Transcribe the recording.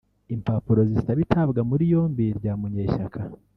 Impapuro zisaba itabwa muri yombi rya Munyeshyaka